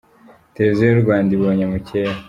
Televiziyo y’u Rwanda ibonye mukeba